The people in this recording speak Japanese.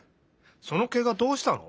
そのケガどうしたの？